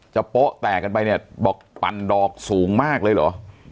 โป๊ะแตกกันไปเนี่ยบอกปั่นดอกสูงมากเลยเหรอ